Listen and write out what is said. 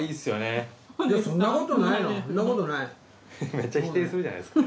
めっちゃ否定するじゃないですか。